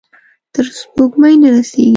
تر سپوږمۍ نه رسیږې